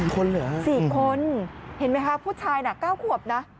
คนเหรอ๔คนเห็นไหมคะผู้ชายน่ะ๙ขวบนะ